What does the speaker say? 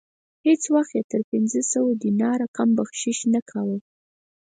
هیڅ وخت یې تر پنځه سوه دیناره کم بخشش نه کاوه.